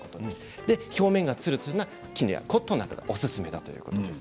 表面がつるつるな絹やコットンなどがおすすめということです。